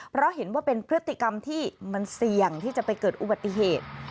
เพราะเห็นว่าเป็นพฤติกรรมที่มันเสี่ยงที่จะไปเกิดอุบัติเหตุ